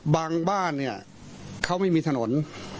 บางบ้านเขาไม่มีถนน